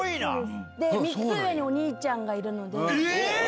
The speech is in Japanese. で、３つ上にお兄ちゃんがいえー。